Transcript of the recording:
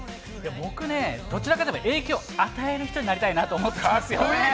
僕ね、どちらかといえば、影響を与える人になりたいなと思ってるんですよ。